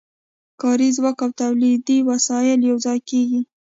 کاري ځواک او تولیدي وسایل یوځای کېږي